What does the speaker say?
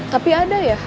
tapi ada ya